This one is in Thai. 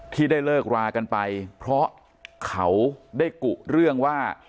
ที่ได้เลิกรากันไปเพราะเขาได้กุเรื่องว่า